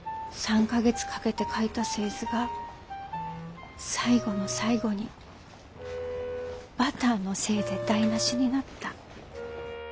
３か月かけて描いた製図が最後の最後にバターのせいで台なしになった。